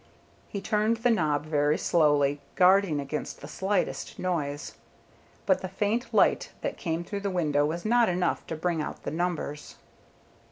He turned the knob very slowly, guarding against the slightest noise, but the faint light that came through the window was not enough to bring out the numbers.